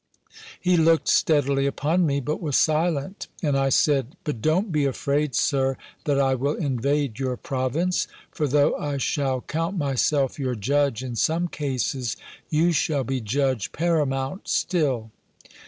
He looked steadily upon me, but was silent. And I said, "But don't be afraid, Sir, that I will invade your province; for though I shall count myself your judge, in some cases, you shall be judge paramount still."